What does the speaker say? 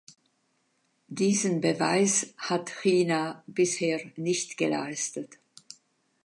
Diesen Beweis hat China bisher nicht geleistet.